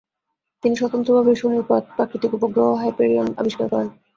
তিনি স্বতন্ত্রভাবে শনির প্রাকৃতিক উপগ্রহ হাইপেরিয়ন আবিষ্কার করেন।